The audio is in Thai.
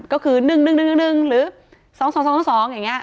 ก็คือ๑๑๑๑หรือ๒๒๒อย่างนี้